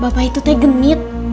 bapak itu teh genit